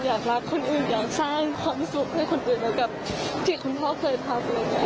อยากรักคนอื่นอยากสร้างความสุขในคนอื่นแล้วกับที่คุณพ่อเคยทำ